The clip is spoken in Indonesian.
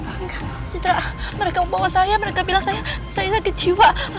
enggak citra mereka membawa saya mereka bilang saya sakit jiwa